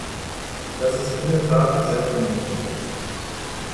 Das ist in der Tat sehr vernünftig.